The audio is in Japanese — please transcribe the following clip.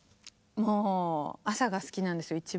もう朝が好きなんですよ